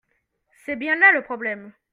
c'est bien là le problème.